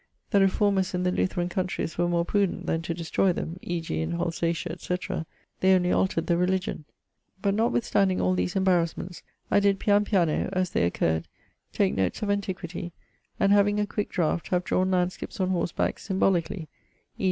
The reformers in the Lutheran countrys were more prudent then to destroy them (e.g. in Holsatia, etc.); only altered the religion. But notwithstanding all these embarasments I did pian piano (as they occur'd) take notes of antiquity; and having a quick draught, have drawne landskips on horseback symbolically, e.